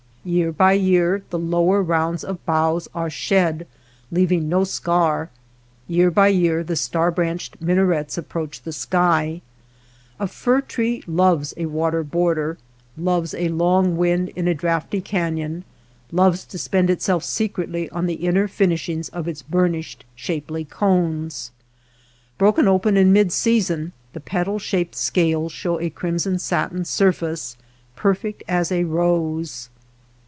Year by year the lower rounds of boughs are shed, leaving no scar; year by year the star branched minarets approach the sky, A fir tree loves a water border, loves a long wind in a draughty caiion, loves to spend itself secretly on the inner finishings of its burnished, shapely cones. Broken open 220 WATER BORDERS in mid season the petal shaped scales show a crimson satin surface, perfect as a rose.